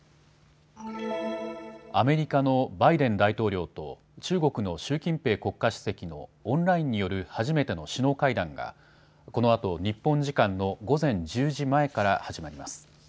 アメリカのバイデン大統領と中国の習近平国家主席のオンラインによる初めての首脳会談がこのあと日本時間の午前１０時前から始まります。